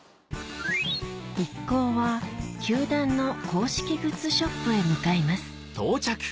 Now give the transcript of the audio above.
一行は球団の公式グッズショップへ向かいます